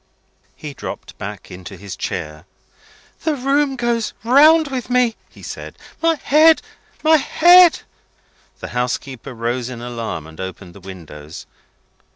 He dropped back into his chair. "The room goes round with me," he said. "My head! my head!" The housekeeper rose in alarm, and opened the windows.